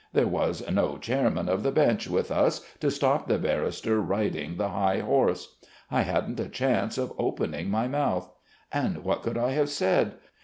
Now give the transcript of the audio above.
There was no Chairman of the Bench with us to stop the barrister riding the high horse. I hadn't a chance of opening my mouth and what could I have said?